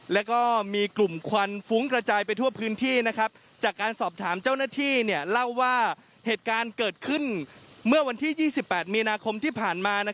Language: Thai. แล้วก็มีกลุ่มควันฟุ้งกระจายไปทั่วพื้นที่จากการสอบถามเจ้าหน้าที่เล่าว่าเหตุการณ์เกิดขึ้นเมื่อวันที่๒๘มีนาคมที่ผ่านมา